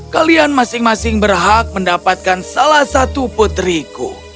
kalian masing masing berhak mendapatkan salah satu putriku